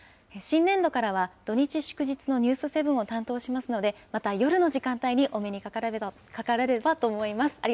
新年度からは土日祝日のニュース７を担当しますので、また夜の時間帯にお目にかかれればと思います。